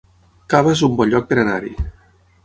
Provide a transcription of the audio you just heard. Cava es un bon lloc per anar-hi